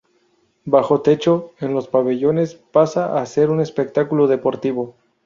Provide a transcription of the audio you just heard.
Bajo techo, en los pabellones, pasa a ser un espectáculo deportivo.